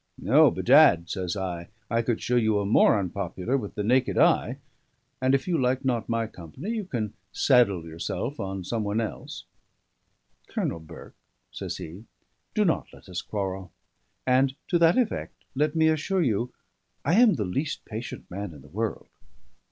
"O, bedad," says I, "I could show you a more unpopular with the naked eye. And if you like not my company, you can 'saddle' yourself on some one else." "Colonel Burke," says he, "do not let us quarrel; and, to that effect, let me assure you I am the least patient man in the world."